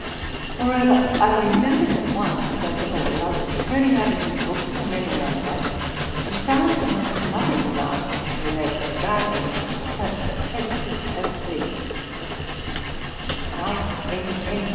Moreover, I remember that once, as a boy, I was turning over his hooks and memoranda, and found, among some other remarks which related to gardening , such sentences as these: ' To night N. N.